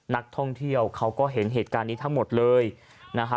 นักท่องเที่ยวเขาก็เห็นเหตุการณ์นี้ทั้งหมดเลยนะฮะ